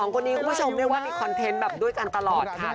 คนนี้คุณผู้ชมเรียกว่ามีคอนเทนต์แบบด้วยกันตลอดค่ะ